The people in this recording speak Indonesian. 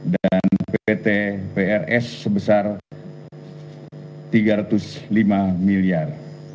dan pt prs sebesar rp tiga ratus lima miliar